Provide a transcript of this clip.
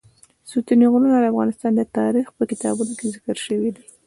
ستوني غرونه د افغان تاریخ په کتابونو کې ذکر شوی دي.